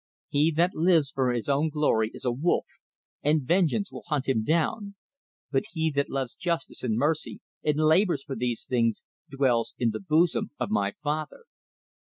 He that lives for his own glory is a wolf, and vengeance will hunt him down; but he that loves justice and mercy, and labors for these things, dwells in the bosom of my Father.